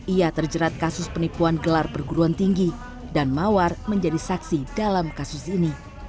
ia terjerat kasus penipuan gelar perguruan tinggi dan mawar menjadi saksi dalam kasus ini